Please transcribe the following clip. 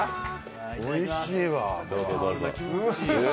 おいしいわ！